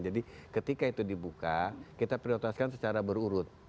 jadi ketika itu dibuka kita prioritaskan secara berurut